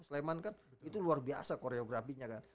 sleman kan itu luar biasa koreografinya kan